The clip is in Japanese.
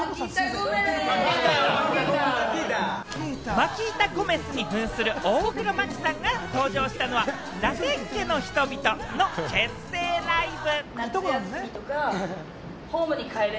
マキータ・ゴメスに扮する大黒摩季さんが登場したのは、ラテン家の人々の結成ライブ。